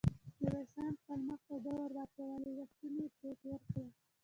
ميرويس خان خپل مخ ته اوبه ور واچولې، لستوڼۍ يې پرې تېر کړ.